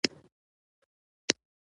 هغه له امیر څخه وغوښتل.